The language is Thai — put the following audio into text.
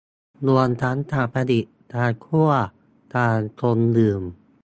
รวมถึงการผลิต การคั่ว การชงดื่ม